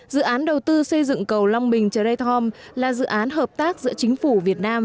dự án đầu tư xây dựng cầu long bình chere tom là dự án hợp tác giữa chính phủ việt nam